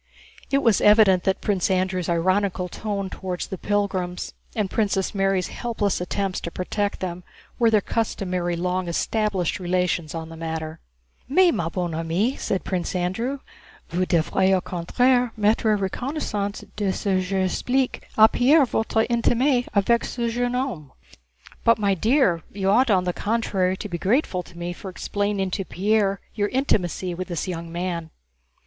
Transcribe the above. It was evident that Prince Andrew's ironical tone toward the pilgrims and Princess Mary's helpless attempts to protect them were their customary long established relations on the matter. "Mais, ma bonne amie," said Prince Andrew, "vous devriez au contraire m'être reconnaissante de ce que j'explique à Pierre votre intimité avec ce jeune homme." "But, my dear, you ought on the contrary to be grateful to me for explaining to Pierre your intimacy with this young man."